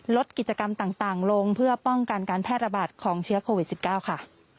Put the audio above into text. ลดกิจกรรมต่างต่างลงเพื่อป้องกันการแพทย์ระบาดของเชื้อโควิดสิบเก้าค่ะ